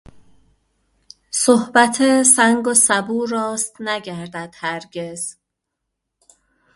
صحبت سنگ و سبو راست نگردد هرگز.